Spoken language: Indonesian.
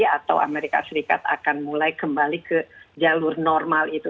atau amerika serikat akan mulai kembali ke jalur normal itu